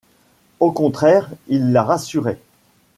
Au contraire, il la rassurait.